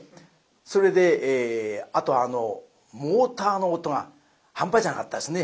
それであとあのモーターの音が半端じゃなかったですね。